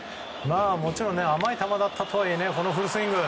もちろん、甘い球だったとはいえこのフルスイング。